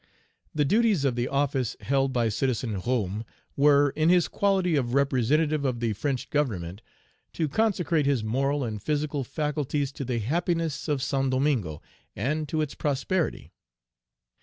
"The duties of the office held by Citizen Roume were, in his quality of representative of the French Government, to consecrate his moral and physical faculties to the happiness of Saint Domingo and to its prosperity.